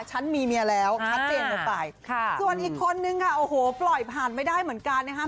ฉันมีเมียแล้วชัดเจนลงไปค่ะส่วนอีกคนนึงค่ะโอ้โหปล่อยผ่านไม่ได้เหมือนกันนะครับ